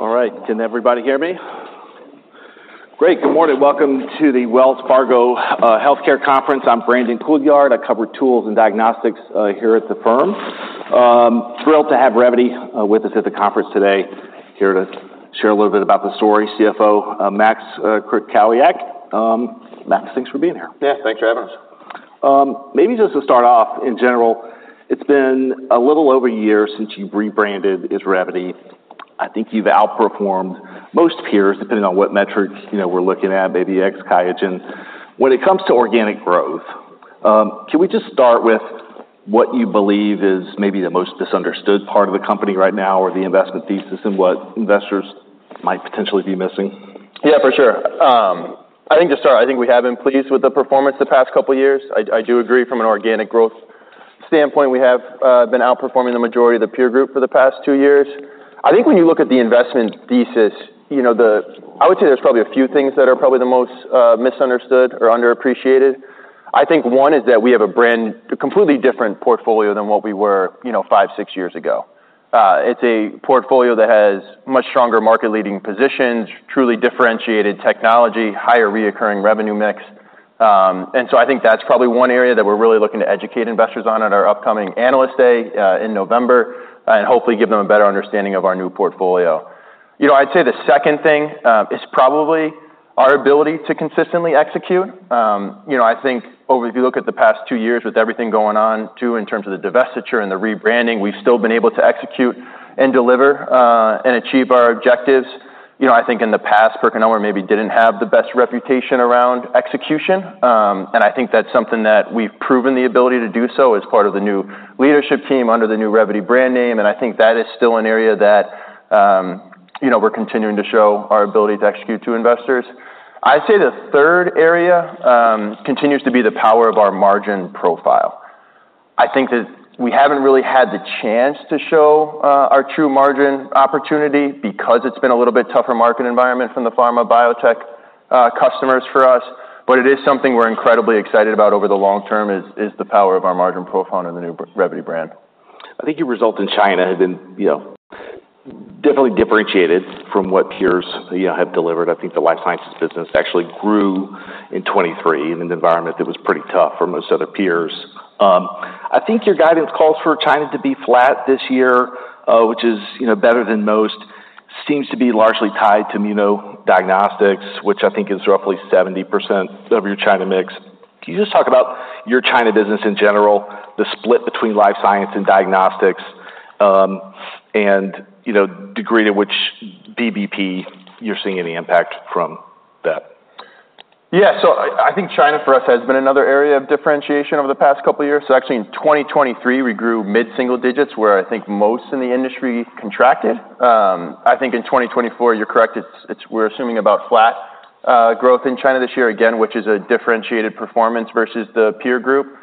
All right, can everybody hear me? Great. Good morning. Welcome to the Wells Fargo Healthcare Conference. I'm Brandon Couillard. I cover tools and diagnostics here at the firm. Thrilled to have Revvity with us at the conference today, here to share a little bit about the story, CFO Max Krakowiak. Max, thanks for being here. Yeah, thanks for having us. Maybe just to start off, in general, it's been a little over a year since you've rebranded as Revvity. I think you've outperformed most peers, depending on what metric, you know, we're looking at, maybe ex Qiagen. When it comes to organic growth, can we just start with what you believe is maybe the most misunderstood part of the company right now, or the investment thesis and what investors might potentially be missing? Yeah, for sure. I think to start, I think we have been pleased with the performance the past couple of years. I do agree from an organic growth standpoint, we have been outperforming the majority of the peer group for the past two years. I think when you look at the investment thesis, you know, I would say there's probably a few things that are probably the most misunderstood or underappreciated. I think one is that we have a brand, a completely different portfolio than what we were, you know, five, six years ago. It's a portfolio that has much stronger market-leading positions, truly differentiated technology, higher recurring revenue mix. And so I think that's probably one area that we're really looking to educate investors on at our upcoming Analyst Day in November, and hopefully give them a better understanding of our new portfolio. You know, I'd say the second thing is probably our ability to consistently execute. You know, I think. If you look at the past two years, with everything going on, too, in terms of the divestiture and the rebranding, we've still been able to execute and deliver, and achieve our objectives. You know, I think in the past, PerkinElmer maybe didn't have the best reputation around execution, and I think that's something that we've proven the ability to do so as part of the new leadership team under the new Revvity brand name, and I think that is still an area that, you know, we're continuing to show our ability to execute to investors. I'd say the third area continues to be the power of our margin profile. I think that we haven't really had the chance to show our true margin opportunity because it's been a little bit tougher market environment from the pharma biotech customers for us, but it is something we're incredibly excited about over the long term, is the power of our margin profile under the new Revvity brand. I think your result in China has been, you know, definitely differentiated from what peers, you know, have delivered. I think the life sciences business actually grew in 2023, in an environment that was pretty tough for most other peers. I think your guidance calls for China to be flat this year, which is, you know, better than most. Seems to be largely tied to immunodiagnostics, which I think is roughly 70% of your China mix. Can you just talk about your China business in general, the split between life science and diagnostics, and, you know, degree to which VBP, you're seeing any impact from that? Yeah, so I think China, for us, has been another area of differentiation over the past couple of years. So actually, in twenty twenty-three, we grew mid-single digits, where I think most in the industry contracted. I think in twenty twenty-four, you're correct, we're assuming about flat growth in China this year, again, which is a differentiated performance versus the peer group.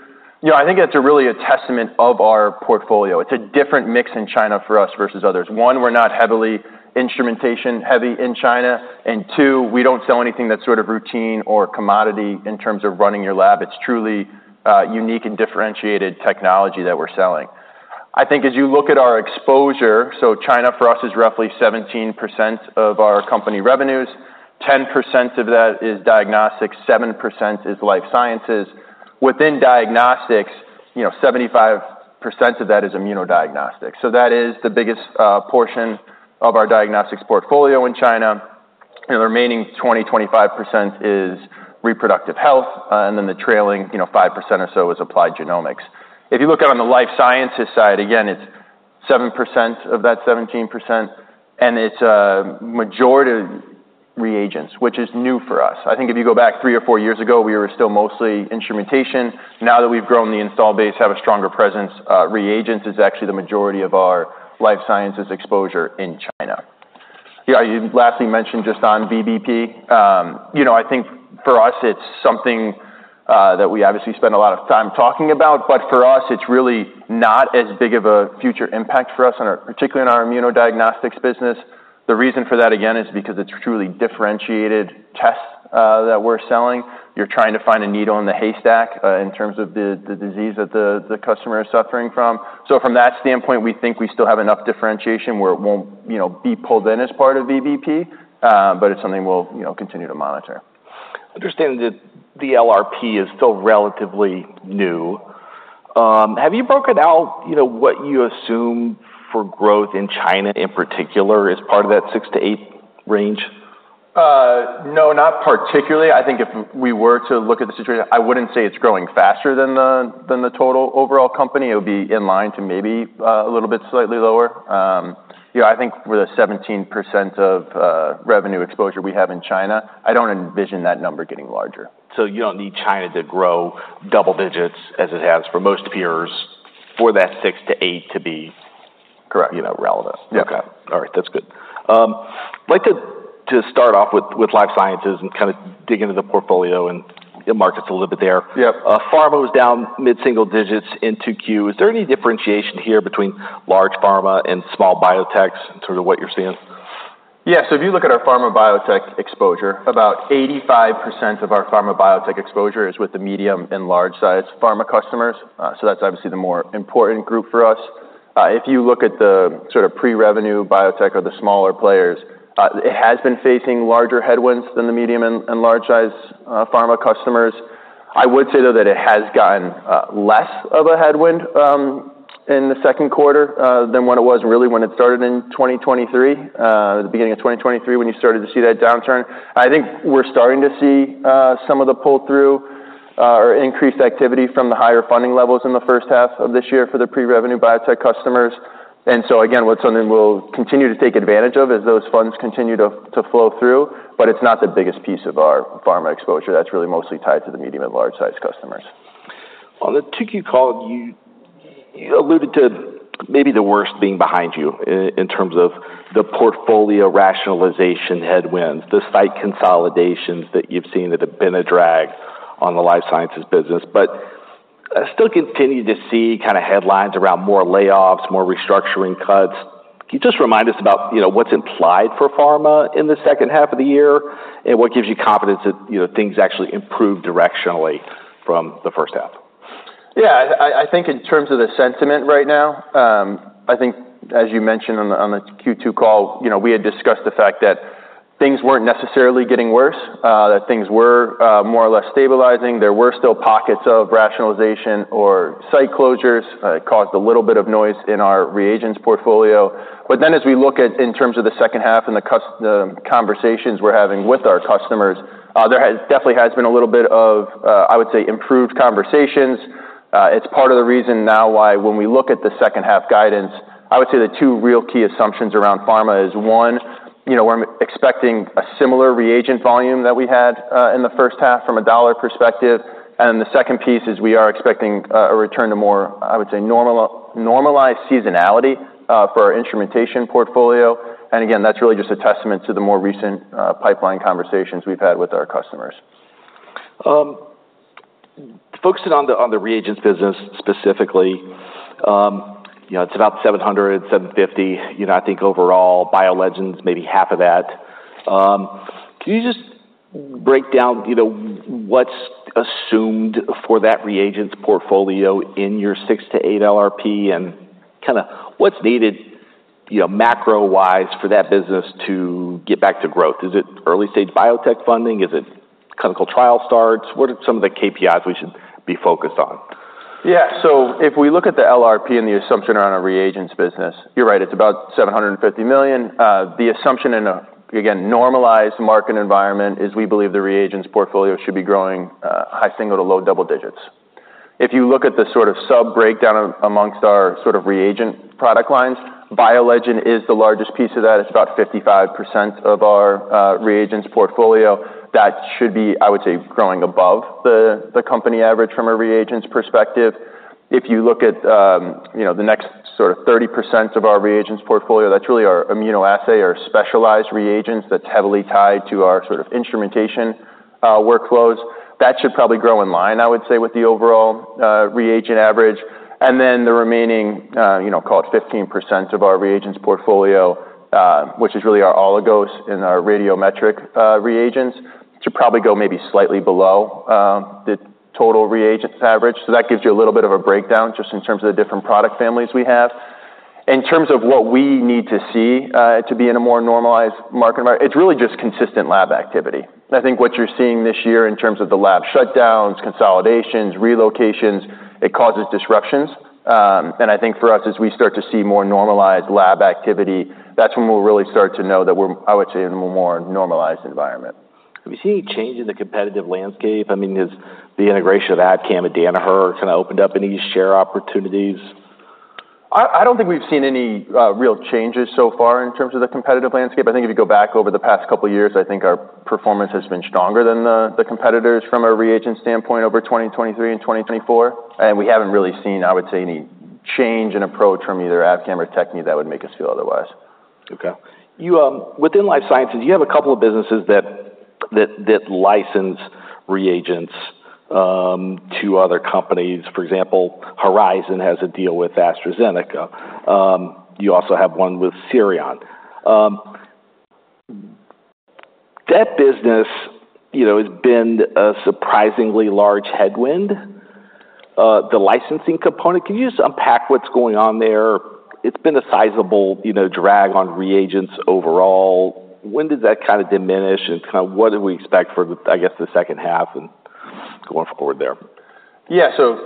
You know, I think it's really a testament of our portfolio. It's a different mix in China for us versus others. One, we're not heavily instrumentation-heavy in China, and two, we don't sell anything that's sort of routine or commodity in terms of running your lab. It's truly unique and differentiated technology that we're selling. I think as you look at our exposure, so China, for us, is roughly 17% of our company revenues. 10% of that is diagnostics, 7% is life sciences. Within diagnostics, you know, 75% of that is immunodiagnostics. So that is the biggest portion of our diagnostics portfolio in China, and the remaining 20-25% is reproductive health, and then the trailing, you know, 5% or so is applied genomics. If you look out on the life sciences side, again, it's 7% of that 17%, and it's a majority of reagents, which is new for us. I think if you go back three or four years ago, we were still mostly instrumentation. Now that we've grown the install base, have a stronger presence, reagents is actually the majority of our life sciences exposure in China. Yeah, you lastly mentioned just on VBP. You know, I think for us, it's something that we obviously spend a lot of time talking about, but for us, it's really not as big of a future impact for us, particularly in our immunodiagnostics business. The reason for that, again, is because it's truly differentiated tests that we're selling. You're trying to find a needle in the haystack, in terms of the disease that the customer is suffering from. So from that standpoint, we think we still have enough differentiation where it won't, you know, be pulled in as part of VBP, but it's something we'll, you know, continue to monitor. Understanding that the LRP is still relatively new, have you broken out, you know, what you assume for growth in China, in particular, as part of that six to eight range? No, not particularly. I think if we were to look at the situation, I wouldn't say it's growing faster than the, than the total overall company. It would be in line to maybe, a little bit slightly lower. Yeah, I think with the 17% of, revenue exposure we have in China, I don't envision that number getting larger. So you don't need China to grow double digits as it has for most peers, for that six to eight to be- Correct. you know, relevant? Yeah. Okay. All right, that's good. I'd like to start off with life sciences and kind of dig into the portfolio and the markets a little bit there. Yep. Pharma was down mid-single digits in 2Q. Is there any differentiation here between large pharma and small biotechs, and sort of what you're seeing? Yeah, so if you look at our pharma biotech exposure, about 85% of our pharma biotech exposure is with the medium and large-sized pharma customers. So that's obviously the more important group for us. If you look at the sort of pre-revenue biotech or the smaller players, it has been facing larger headwinds than the medium and large-sized pharma customers. I would say, though, that it has gotten less of a headwind in the second quarter than what it was really when it started in 2023, the beginning of 2023, when you started to see that downturn. I think we're starting to see some of the pull-through or increased activity from the higher funding levels in the first half of this year for the pre-revenue biotech customers. And so again, what's something we'll continue to take advantage of as those funds continue to flow through, but it's not the biggest piece of our pharma exposure. That's really mostly tied to the medium- and large-sized customers. On the 2Q call, you alluded to maybe the worst being behind you in terms of the portfolio rationalization headwinds, the site consolidations that you've seen that have been a drag on the life sciences business, but I still continue to see kind of headlines around more layoffs, more restructuring cuts. Can you just remind us about, you know, what's implied for pharma in the second half of the year, and what gives you confidence that, you know, things actually improve directionally from the first half? Yeah, I think in terms of the sentiment right now, I think as you mentioned on the Q2 call, you know, we had discussed the fact that things weren't necessarily getting worse, that things were more or less stabilizing. There were still pockets of rationalization or site closures. It caused a little bit of noise in our reagents portfolio. But then as we look at in terms of the second half and the conversations we're having with our customers, there definitely has been a little bit of, I would say, improved conversations. It's part of the reason now why when we look at the second half guidance, I would say the two real key assumptions around pharma is, one, you know, we're expecting a similar reagent volume that we had in the first half from a dollar perspective. And the second piece is we are expecting a return to more, I would say, normalized seasonality for our instrumentation portfolio. And again, that's really just a testament to the more recent pipeline conversations we've had with our customers. Focusing on the reagents business specifically, you know, it's about $700-$750 million, you know, I think overall, BioLegend's maybe half of that. Can you just break down, you know, what's assumed for that reagents portfolio in your six to eight LRP and kind of what's needed, you know, macro-wise for that business to get back to growth? Is it early-stage biotech funding? Is it clinical trial starts? What are some of the KPIs we should be focused on? Yeah. So if we look at the LRP and the assumption around our reagents business, you're right, it's about $750 million. The assumption in again, normalized market environment is we believe the reagents portfolio should be growing high single to low double digits. If you look at the sort of sub-breakdown among our sort of reagent product lines, BioLegend is the largest piece of that. It's about 55% of our reagents portfolio. That should be, I would say, growing above the company average from a reagents perspective. If you look at you know, the next sort of 30% of our reagents portfolio, that's really our immunoassay, our specialized reagents that's heavily tied to our sort of instrumentation workflows. That should probably grow in line, I would say, with the overall reagent average. And then the remaining, you know, call it 15% of our reagents portfolio, which is really our oligos and our radiometric reagents, should probably go maybe slightly below the total reagents average. So that gives you a little bit of a breakdown just in terms of the different product families we have. In terms of what we need to see to be in a more normalized market environment, it's really just consistent lab activity. I think what you're seeing this year in terms of the lab shutdowns, consolidations, relocations, it causes disruptions. And I think for us, as we start to see more normalized lab activity, that's when we'll really start to know that we're, I would say, in a more normalized environment. Do you see any change in the competitive landscape? I mean, has the integration of Abcam and Danaher kind of opened up any share opportunities? I don't think we've seen any real changes so far in terms of the competitive landscape. I think if you go back over the past couple of years, I think our performance has been stronger than the competitors from a reagent standpoint over 2023 and 2024, and we haven't really seen, I would say, any change in approach from either Abcam or Tecan that would make us feel otherwise. Okay. You, within life sciences, you have a couple of businesses that license reagents to other companies. For example, Horizon has a deal with AstraZeneca. You also have one with Sirion. That business, you know, has been a surprisingly large headwind, the licensing component. Can you just unpack what's going on there? It's been a sizable, you know, drag on reagents overall. When does that kind of diminish, and kind of what do we expect for the, I guess, the second half and going forward there? Yeah. So,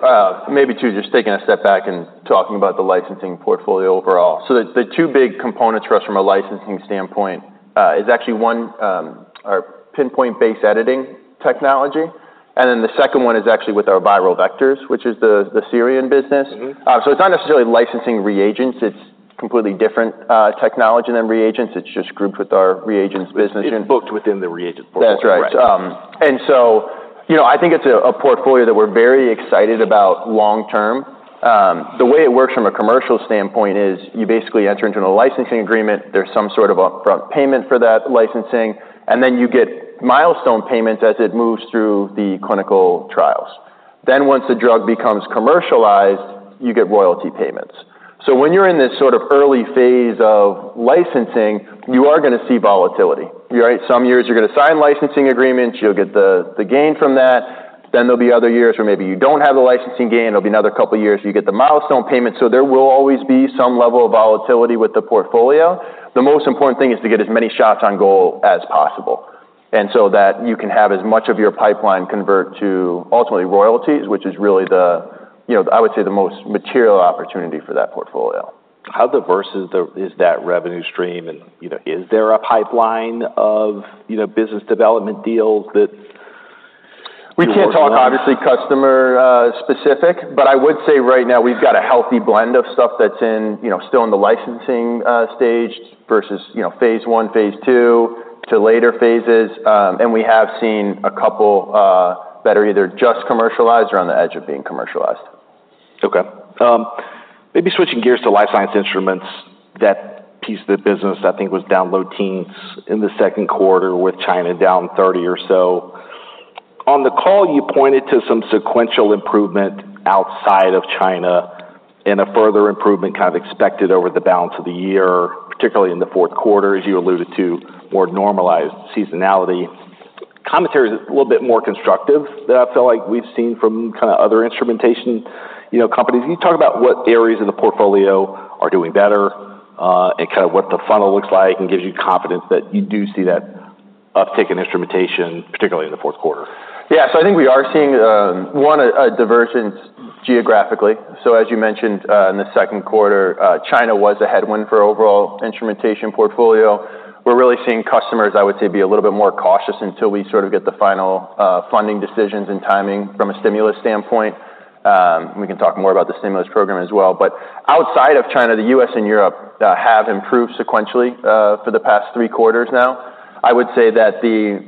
maybe just to take a step back and talking about the licensing portfolio overall. So the two big components for us from a licensing standpoint is actually one, our Pin-point-based editing technology, and then the second one is actually with our viral vectors, which is the Sirion business. So it's not necessarily licensing reagents. It's completely different technology than reagents. It's just grouped with our reagents business. It's booked within the reagents portfolio. That's right. Right. And so, you know, I think it's a portfolio that we're very excited about long term. The way it works from a commercial standpoint is you basically enter into a licensing agreement, there's some sort of upfront payment for that licensing, and then you get milestone payments as it moves through the clinical trials. Then once the drug becomes commercialized, you get royalty payments. So when you're in this sort of early phase of licensing, you are gonna see volatility, right? Some years you're gonna sign licensing agreements, you'll get the gain from that, then there'll be other years where maybe you don't have the licensing gain. There'll be another couple of years, you get the milestone payment. So there will always be some level of volatility with the portfolio. The most important thing is to get as many shots on goal as possible, and so that you can have as much of your pipeline convert to ultimately royalties, which is really the, you know, I would say, the most material opportunity for that portfolio. How diverse is that revenue stream? And, you know, is there a pipeline of, you know, business development deals that- We can't talk, obviously, customer specific, but I would say right now we've got a healthy blend of stuff that's in, you know, still in the licensing stage versus, you know, phase I, phase II, to later phases, and we have seen a couple that are either just commercialized or on the edge of being commercialized. Okay. Maybe switching gears to life science instruments, that piece of the business, I think, was down low teens in the second quarter, with China down thirty or so. On the call, you pointed to some sequential improvement outside of China and a further improvement kind of expected over the balance of the year, particularly in the fourth quarter, as you alluded to, more normalized seasonality. Commentary is a little bit more constructive than I feel like we've seen from kind of other instrumentation, you know, companies. Can you talk about what areas of the portfolio are doing better, and kind of what the funnel looks like and gives you confidence that you do see that uptick in instrumentation, particularly in the fourth quarter? Yeah. So I think we are seeing a divergence geographically. So as you mentioned, in the second quarter, China was a headwind for overall instrumentation portfolio. We're really seeing customers, I would say, be a little bit more cautious until we sort of get the final funding decisions and timing from a stimulus standpoint. We can talk more about the stimulus program as well. But outside of China, the U.S. and Europe have improved sequentially for the past three quarters now. I would say that the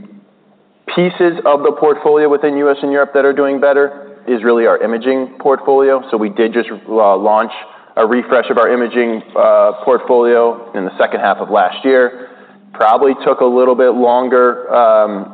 pieces of the portfolio within U.S. and Europe that are doing better is really our imaging portfolio. So we did just launch a refresh of our imaging portfolio in the second half of last year. Probably took a little bit longer,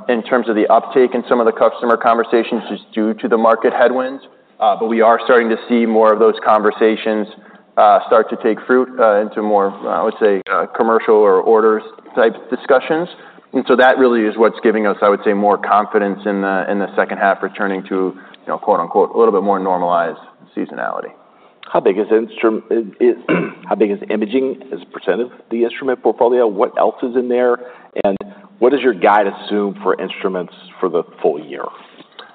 in terms of the uptake in some of the customer conversations, just due to the market headwinds, but we are starting to see more of those conversations, start to take fruit, into more, I would say, commercial or orders type discussions. And so that really is what's giving us, I would say, more confidence in the, in the second half, returning to, you know, quote-unquote, "a little bit more normalized seasonality. How big is imaging as a % of the instrument portfolio? What else is in there, and what is your guide assume for instruments for the full year?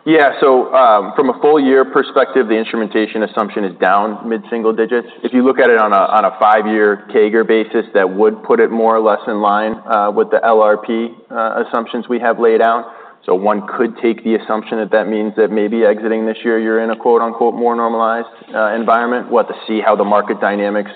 Yeah. So from a full year perspective, the instrumentation assumption is down mid-single digits. If you look at it on a five-year CAGR basis, that would put it more or less in line with the LRP assumptions we have laid out. So one could take the assumption that that means that maybe exiting this year, you're in a quote-unquote "more normalized" environment. We'll have to see how the market dynamics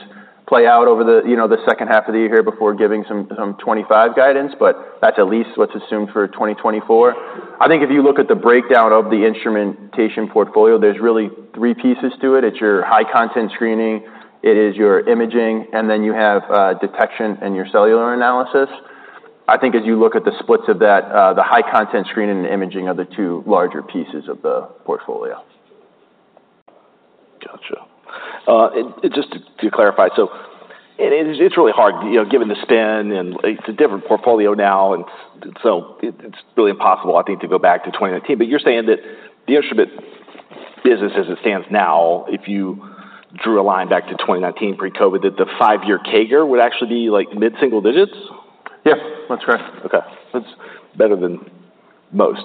play out over the you know the second half of the year here before giving some 2025 guidance, but that's at least what's assumed for 2024. I think if you look at the breakdown of the instrumentation portfolio, there's really three pieces to it. It's your high content screening, it is your imaging, and then you have detection and your cellular analysis. I think as you look at the splits of that, the high content screening and imaging are the two larger pieces of the portfolio. Gotcha, and just to clarify, so it's really hard, you know, given the spin, and it's a different portfolio now, and so it's really impossible, I think, to go back to twenty nineteen, but you're saying that the instrument business, as it stands now, if you drew a line back to twenty nineteen pre-COVID, that the five-year CAGR would actually be, like, mid-single digits? Yes, that's correct. Okay. That's better than most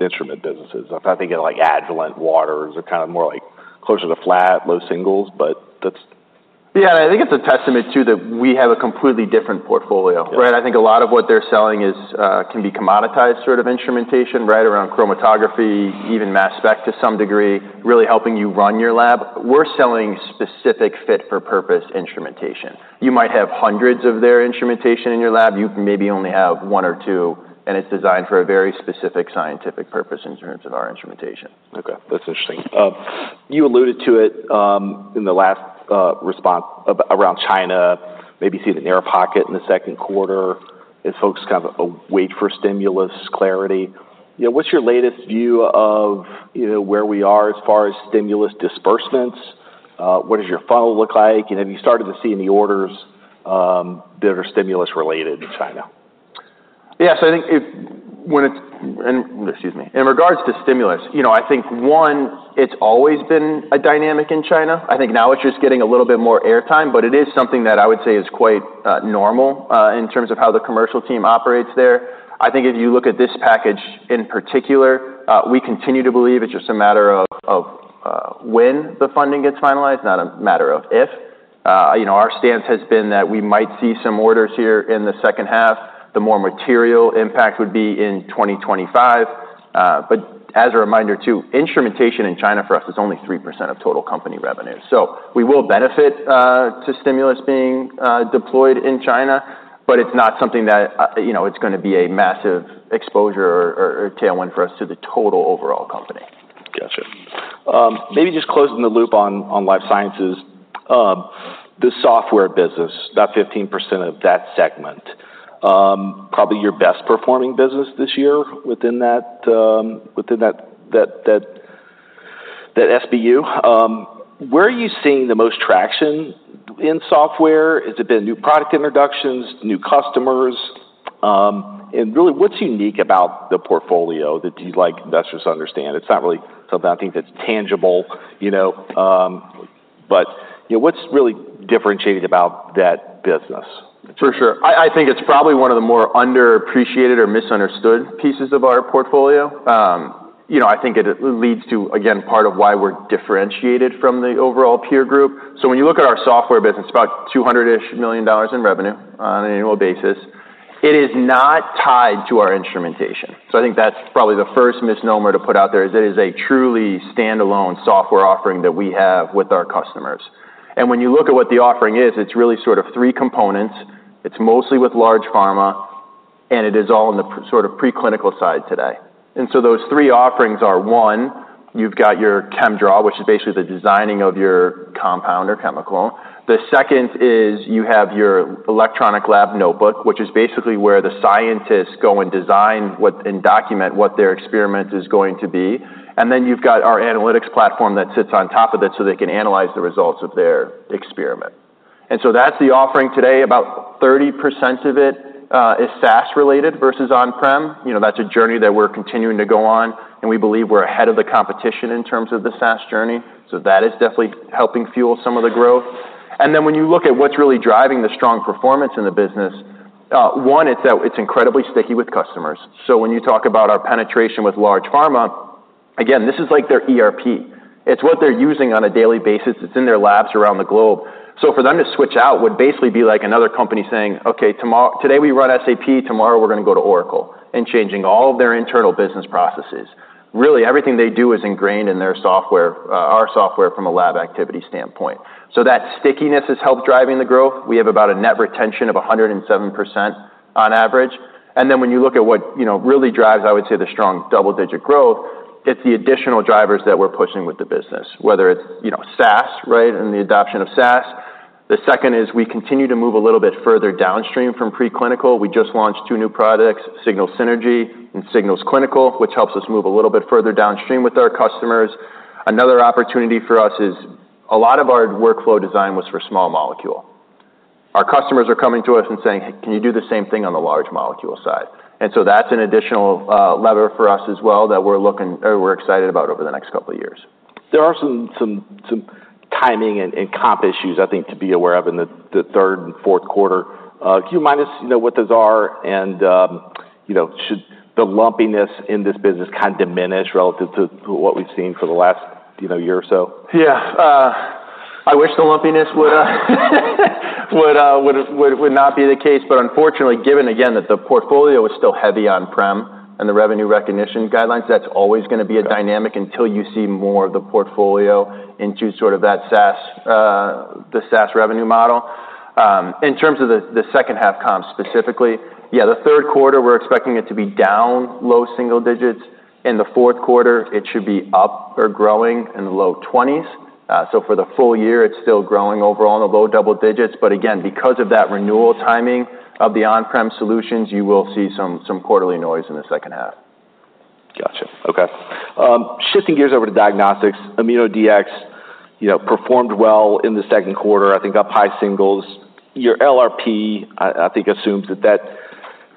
instrument businesses. I think, like, Agilent, Waters are kind of more like closer to flat, low singles, but that's- Yeah, and I think it's a testament, too, that we have a completely different portfolio. Yeah. Right? I think a lot of what they're selling is can be commoditized sort of instrumentation, right around chromatography, even mass spec to some degree, really helping you run your lab. We're selling specific fit for purpose instrumentation. You might have hundreds of their instrumentation in your lab. You maybe only have one or two, and it's designed for a very specific scientific purpose in terms of our instrumentation. Okay, that's interesting. You alluded to it in the last response around China, maybe see an air pocket in the second quarter as folks kind of wait for stimulus clarity. You know, what's your latest view of, you know, where we are as far as stimulus disbursements? What does your funnel look like, and have you started to see any orders that are stimulus related in China? In regards to stimulus, you know, I think, one, it's always been a dynamic in China. I think now it's just getting a little bit more airtime, but it is something that I would say is quite normal in terms of how the commercial team operates there. I think if you look at this package in particular, we continue to believe it's just a matter of when the funding gets finalized, not a matter of if. You know, our stance has been that we might see some orders here in the second half. The more material impact would be in 2025. But as a reminder, too, instrumentation in China for us is only 3% of total company revenue. So we will benefit to stimulus being deployed in China, but it's not something that, you know, it's gonna be a massive exposure or tailwind for us to the total overall company. Gotcha. Maybe just closing the loop on life sciences. The software business, about 15% of that segment, probably your best performing business this year within that SBU. Where are you seeing the most traction in software? Has it been new product introductions, new customers? And really, what's unique about the portfolio that you'd like investors to understand? It's not really something I think that's tangible, you know, but, you know, what's really differentiating about that business? For sure. I think it's probably one of the more underappreciated or misunderstood pieces of our portfolio. You know, I think it leads to, again, part of why we're differentiated from the overall peer group. So when you look at our software business, about $200 million in revenue on an annual basis, it is not tied to our instrumentation. So I think that's probably the first misnomer to put out there. It is a truly standalone software offering that we have with our customers. And when you look at what the offering is, it's really sort of three components. It's mostly with large pharma, and it is all in the pre- sort of preclinical side today. And so those three offerings are: one, you've got your ChemDraw, which is basically the designing of your compound or chemical. The second is you have your electronic lab notebook, which is basically where the scientists go and design what and document what their experiment is going to be, and then you've got our analytics platform that sits on top of it, so they can analyze the results of their experiment, and so that's the offering today. About 30% of it is SaaS related versus on-prem. You know, that's a journey that we're continuing to go on, and we believe we're ahead of the competition in terms of the SaaS journey, so that is definitely helping fuel some of the growth, and then when you look at what's really driving the strong performance in the business, one, it's that it's incredibly sticky with customers. So when you talk about our penetration with large pharma, again, this is like their ERP. It's what they're using on a daily basis. It's in their labs around the globe. So for them to switch out would basically be like another company saying, "Okay, tomorrow - today, we run SAP. Tomorrow, we're gonna go to Oracle," and changing all of their internal business processes. Really, everything they do is ingrained in their software, our software from a lab activity standpoint. So that stickiness has helped driving the growth. We have about a net retention of 107% on average. And then when you look at what, you know, really drives, I would say, the strong double-digit growth, it's the additional drivers that we're pushing with the business, whether it's, you know, SaaS, right, and the adoption of SaaS. The second is we continue to move a little bit further downstream from preclinical. We just launched two new products, Signals Synergy and Signals Clinical, which helps us move a little bit further downstream with our customers. Another opportunity for us is a lot of our workflow design was for small molecule. Our customers are coming to us and saying, "Can you do the same thing on the large molecule side?" And so that's an additional lever for us as well, that we're excited about over the next couple of years. There are some timing and comp issues, I think, to be aware of in the third and fourth quarter. Can you walk us through, you know, what those are and, you know, should the lumpiness in this business kind of diminish relative to what we've seen for the last, you know, year or so? Yeah. I wish the lumpiness would not be the case. But unfortunately, given again, that the portfolio is still heavy on-prem and the revenue recognition guidelines, that's always gonna be a dynamic until you see more of the portfolio into sort of that SaaS, the SaaS revenue model. In terms of the second half comp, specifically, yeah, the third quarter, we're expecting it to be down low single digits. In the fourth quarter, it should be up or growing in the low twenties. So for the full year, it's still growing overall in the low double digits. But again, because of that renewal timing of the on-prem solutions, you will see some quarterly noise in the second half. Gotcha. Okay. Shifting gears over to diagnostics, immunodiagnostics, you know, performed well in the second quarter, I think up high singles. Your LRP, I think, assumes that that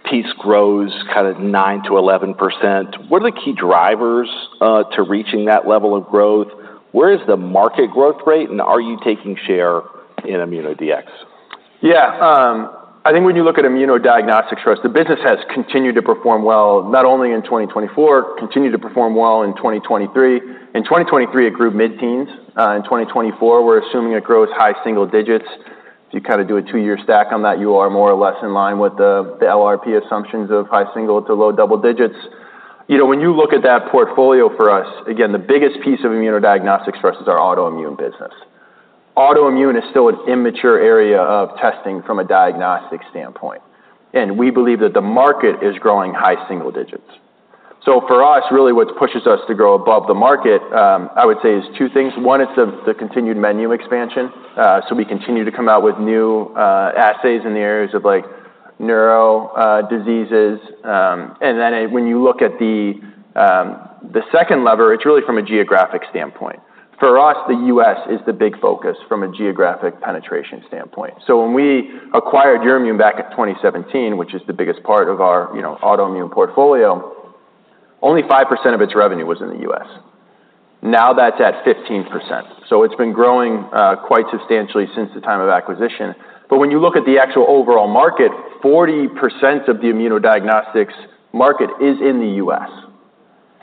piece grows kind of 9%-11%. What are the key drivers to reaching that level of growth? Where is the market growth rate, and are you taking share in immunodiagnostics? Yeah, I think when you look at immunodiagnostics for us, the business has continued to perform well, not only in 2024, in 2023. In 2023, it grew mid-teens. In 2024, we're assuming it grows high single digits. If you kind of do a two-year stack on that, you are more or less in line with the LRP assumptions of high single to low double digits. You know, when you look at that portfolio for us, again, the biggest piece of immunodiagnostics for us is our autoimmune business. Autoimmune is still an immature area of testing from a diagnostic standpoint, and we believe that the market is growing high single digits. So for us, really, what pushes us to grow above the market, I would say is two things. One is the continued menu expansion. So we continue to come out with new assays in the areas of, like, neuro diseases. And then when you look at the second lever, it's really from a geographic standpoint. For us, the U.S. is the big focus from a geographic penetration standpoint. So when we acquired Euroimmun back in 2017, which is the biggest part of our, you know, autoimmune portfolio, only 5% of its revenue was in the U.S. Now that's at 15%, so it's been growing quite substantially since the time of acquisition. But when you look at the actual overall market, 40% of the immunodiagnostics market is in the U.S.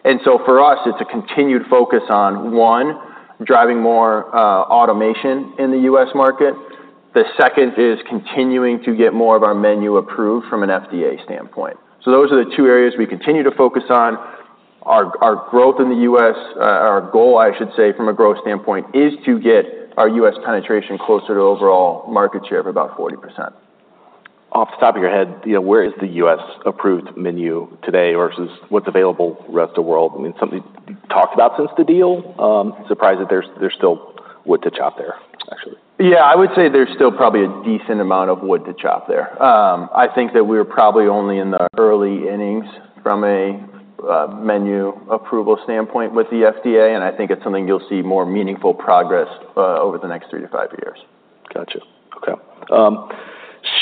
And so for us, it's a continued focus on, one, driving more automation in the U.S. market. The second is continuing to get more of our menu approved from an FDA standpoint. So those are the two areas we continue to focus on. Our growth in the U.S., our goal, I should say, from a growth standpoint, is to get our U.S. penetration closer to overall market share of about 40%. Off the top of your head, you know, where is the U.S. approved menu today versus what's available the rest of the world? I mean, something talked about since the deal, surprised that there's still wood to chop there, actually. Yeah, I would say there's still probably a decent amount of wood to chop there. I think that we're probably only in the early innings from a menu approval standpoint with the FDA, and I think it's something you'll see more meaningful progress over the next three to five years. Gotcha. Okay.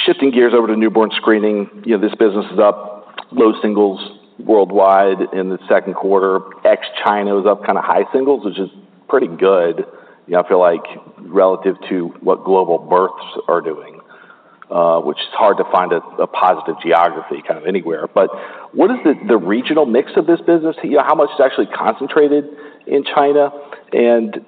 Shifting gears over to newborn screening. You know, this business is up low singles worldwide in the second quarter. Ex-China was up kinda high singles, which is pretty good. You know, I feel like relative to what global births are doing, which is hard to find a positive geography kind of anywhere. But what is the regional mix of this business? How much is actually concentrated in China? And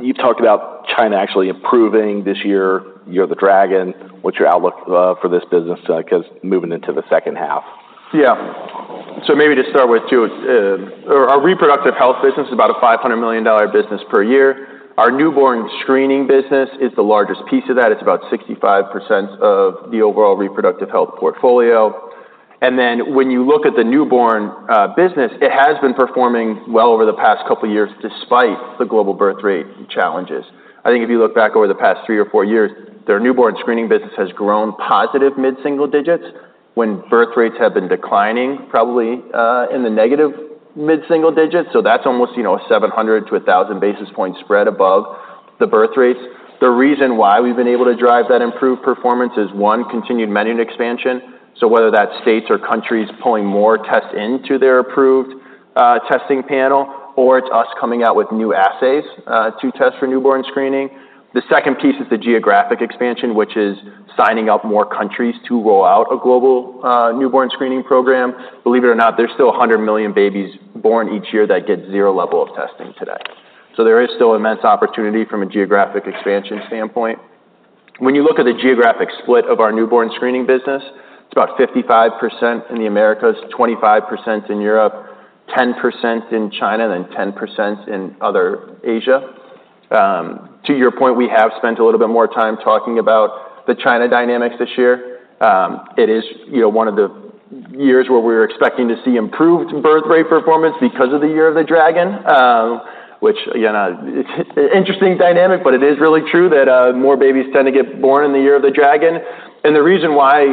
you talked about China actually improving this year, Year of the Dragon. What's your outlook for this business 'cause moving into the second half? Yeah. So maybe to start with too, our our reproductive health business is about a $500 million business per year. Our newborn screening business is the largest piece of that. It's about 65% of the overall reproductive health portfolio. And then when you look at the newborn business, it has been performing well over the past couple of years, despite the global birth rate challenges. I think if you look back over the past three or four years, their newborn screening business has grown positive mid-single digits, when birth rates have been declining, probably in the negative mid-single digits. So that's almost, you know, 700 to 1,000 basis points spread above the birth rates. The reason why we've been able to drive that improved performance is, one, continued menu expansion. So whether that's states or countries pulling more tests into their approved testing panel, or it's us coming out with new assays to test for newborn screening. The second piece is the geographic expansion, which is signing up more countries to roll out a global newborn screening program. Believe it or not, there's still 100 million babies born each year that get zero level of testing today. So there is still immense opportunity from a geographic expansion standpoint. When you look at the geographic split of our newborn screening business, it's about 55% in the Americas, 25% in Europe, 10% in China, and then 10% in other Asia. To your point, we have spent a little bit more time talking about the China dynamics this year. It is, you know, one of the years where we're expecting to see improved birth rate performance because of the Year of the Dragon, which, you know, it's an interesting dynamic, but it is really true that more babies tend to get born in the Year of the Dragon. And the reason why,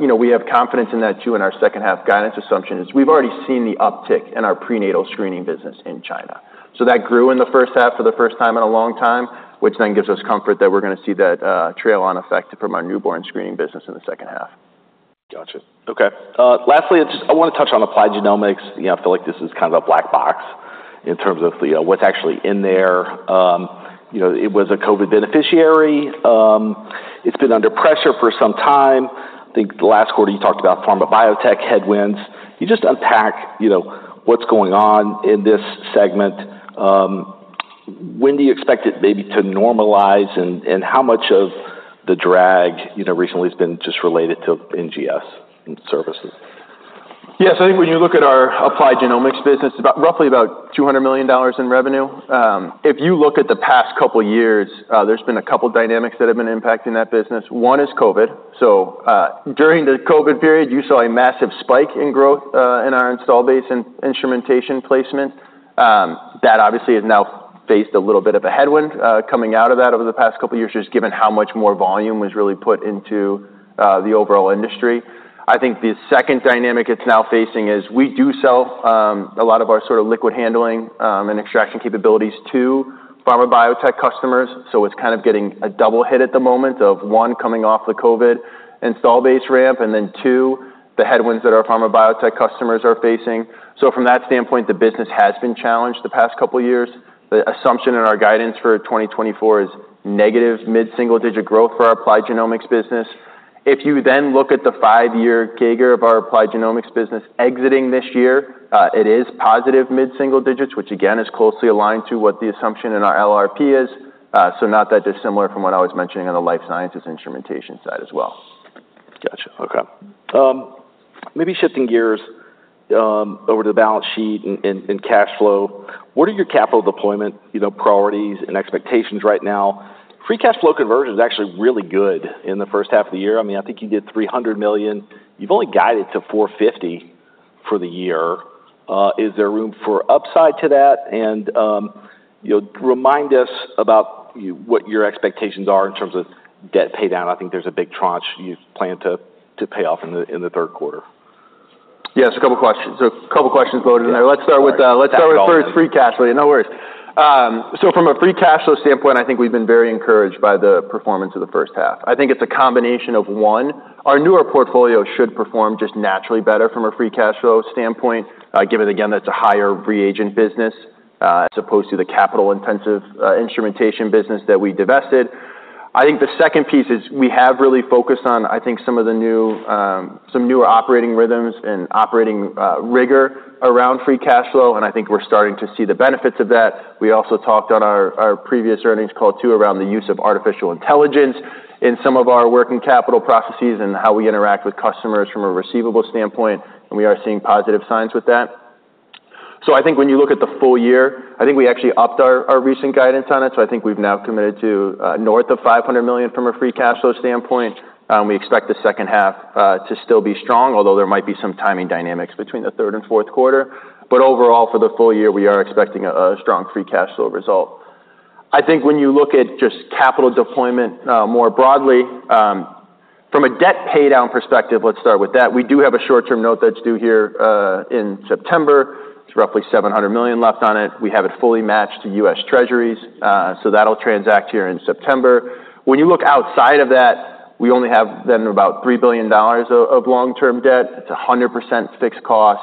you know, we have confidence in that, too, in our second half guidance assumption, is we've already seen the uptick in our prenatal screening business in China. So that grew in the first half for the first time in a long time, which then gives us comfort that we're gonna see that tail-on effect from our newborn screening business in the second half. Gotcha. Okay, lastly, I just—I wanna touch on Applied Genomics. You know, I feel like this is kind of a black box in terms of, you know, what's actually in there. You know, it was a COVID beneficiary. It's been under pressure for some time. I think the last quarter you talked about pharma biotech headwinds. You just unpack, you know, what's going on in this segment. When do you expect it maybe to normalize, and how much of the drag, you know, recently has been just related to NGS and services? Yes, I think when you look at our Applied Genomics business, roughly about $200 million in revenue. If you look at the past couple of years, there's been a couple dynamics that have been impacting that business. One is COVID. So, during the COVID period, you saw a massive spike in growth in our install base and instrumentation placement. That obviously has now faced a little bit of a headwind coming out of that over the past couple of years, just given how much more volume was really put into the overall industry. I think the second dynamic it's now facing is we do sell a lot of our sort of liquid handling and extraction capabilities to pharma biotech customers, so it's kind of getting a double hit at the moment of, one, coming off the COVID install base ramp, and then, two, the headwinds that our pharma biotech customers are facing. So from that standpoint, the business has been challenged the past couple of years. The assumption in our guidance for twenty twenty-four is negative mid-single-digit growth for our applied genomics business. If you then look at the five-year CAGR of our applied genomics business exiting this year, it is positive mid-single digits, which again, is closely aligned to what the assumption in our LRP is. So not that dissimilar from what I was mentioning on the life sciences instrumentation side as well. Gotcha. Okay. Maybe shifting gears over to the balance sheet and cash flow. What are your capital deployment, you know, priorities and expectations right now? Free cash flow conversion is actually really good in the first half of the year. I mean, I think you did $300 million. You've only guided to $450 million for the year. Is there room for upside to that? And you know, remind us about what your expectations are in terms of debt paydown. I think there's a big tranche you plan to pay off in the third quarter. Yes, a couple questions. A couple of questions loaded in there. Yeah, sorry. Let's start with first free cash flow. No worries. So from a free cash flow standpoint, I think we've been very encouraged by the performance of the first half. I think it's a combination of, one, our newer portfolio should perform just naturally better from a free cash flow standpoint, given, again, that's a higher reagent business, as opposed to the capital-intensive, instrumentation business that we divested. I think the second piece is we have really focused on, I think, some of the new, some newer operating rhythms and operating, rigor around free cash flow, and I think we're starting to see the benefits of that. We also talked on our previous earnings call, too, around the use of artificial intelligence in some of our working capital processes and how we interact with customers from a receivable standpoint, and we are seeing positive signs with that. So I think when you look at the full year, I think we actually upped our recent guidance on it. So I think we've now committed to north of $500 million from a free cash flow standpoint. We expect the second half to still be strong, although there might be some timing dynamics between the third and fourth quarter. But overall, for the full year, we are expecting a strong free cash flow result. I think when you look at just capital deployment, more broadly, from a debt paydown perspective, let's start with that. We do have a short-term note that's due here in September. It's roughly $700 million left on it. We have it fully matched to U.S. Treasuries, so that'll transact here in September. When you look outside of that, we only have then about $3 billion of long-term debt. It's 100% fixed cost,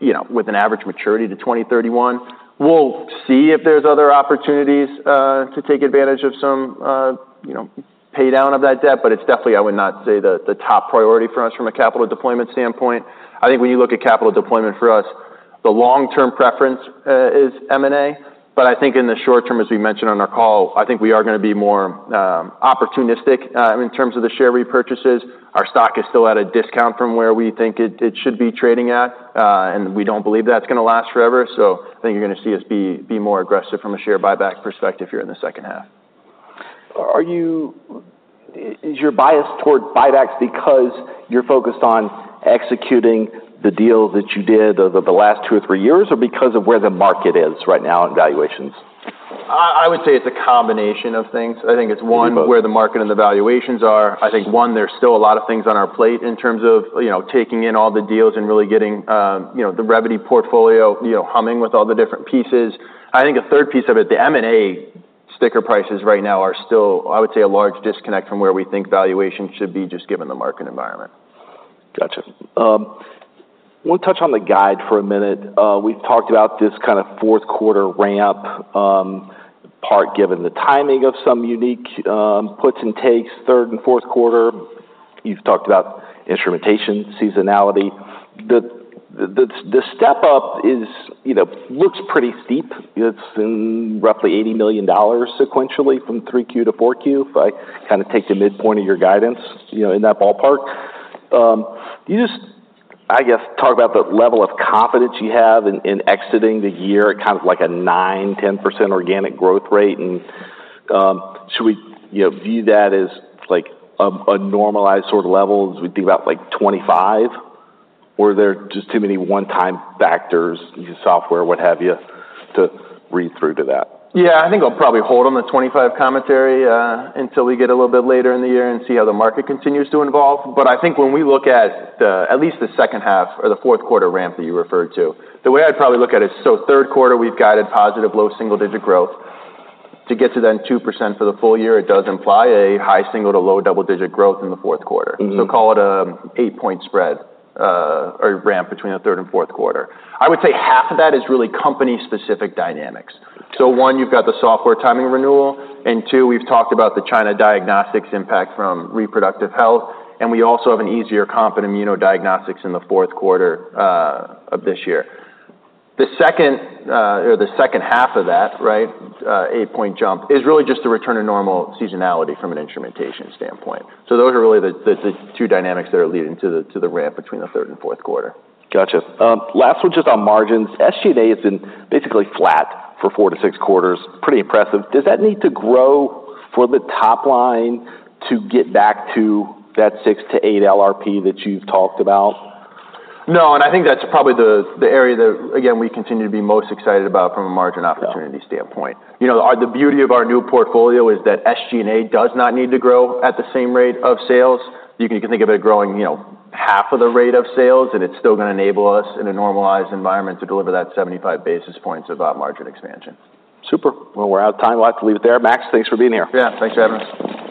you know, with an average maturity to 2031. We'll see if there's other opportunities to take advantage of some, you know, paydown of that debt, but it's definitely, I would not say, the top priority for us from a capital deployment standpoint. I think when you look at capital deployment for us, the long-term preference is M&A, but I think in the short term, as we mentioned on our call, I think we are gonna be more opportunistic in terms of the share repurchases. Our stock is still at a discount from where we think it should be trading at, and we don't believe that's gonna last forever. So I think you're gonna see us be more aggressive from a share buyback perspective here in the second half. Is your bias toward buybacks because you're focused on executing the deals that you did over the last two or three years, or because of where the market is right now on valuations? I would say it's a combination of things. I think it's- Maybe both. One, where the market and the valuations are. I think, one, there's still a lot of things on our plate in terms of, you know, taking in all the deals and really getting, you know, the Revvity portfolio, you know, humming with all the different pieces. I think a third piece of it, the M&A sticker prices right now are still, I would say, a large disconnect from where we think valuation should be, just given the market environment. Gotcha. Want to touch on the guide for a minute. We've talked about this kind of fourth quarter ramp, partly given the timing of some unique puts and takes, third and fourth quarter. You've talked about instrumentation, seasonality. The step-up is, you know, looks pretty steep. It's in roughly $80 million sequentially from 3Q to 4Q, if I kind of take the midpoint of your guidance, you know, in that ballpark. Can you just, I guess, talk about the level of confidence you have in exiting the year at kind of like a 9-10% organic growth rate, and should we, you know, view that as, like, a normalized sort of level, as we think about, like, 2025? Or are there just too many one-time factors, new software, what have you, to read through to that? Yeah, I think I'll probably hold on the twenty-five commentary until we get a little bit later in the year and see how the market continues to evolve. But I think when we look at least the second half or the fourth quarter ramp that you referred to, the way I'd probably look at it. So third quarter, we've guided positive low single-digit growth. To get to then 2% for the full year, it does imply a high single- to low double-digit growth in the fourth quarter. So call it an eight-point spread or ramp between the third and fourth quarter. I would say half of that is really company-specific dynamics. So one, you've got the software timing renewal, and two, we've talked about the China diagnostics impact from reproductive health, and we also have an easier comp in immunodiagnostics in the fourth quarter of this year. The second half of that eight-point jump is really just a return to normal seasonality from an instrumentation standpoint. So those are really the two dynamics that are leading to the ramp between the third and fourth quarter. Gotcha. Last one, just on margins. SG&A has been basically flat for four-to-six quarters. Pretty impressive. Does that need to grow for the top line to get back to that six-to-eight LRP that you've talked about? No, and I think that's probably the area that, again, we continue to be most excited about from a margin opportunity standpoint. Yeah. You know, the beauty of our new portfolio is that SG&A does not need to grow at the same rate of sales. You can think of it growing, you know, half of the rate of sales, and it's still gonna enable us, in a normalized environment, to deliver that 75 basis points of op margin expansion. Super. Well, we're out of time. We'll have to leave it there. Max, thanks for being here. Yeah, thanks for having us.